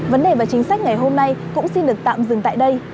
vấn đề và chính sách ngày hôm nay cũng xin được tạm dừng tại đây